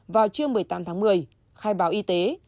vào trưa một mươi tám tháng một mươi khai báo y tế